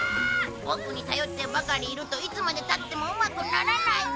ボクに頼ってばかりいるといつまで経ってもうまくならないぞ。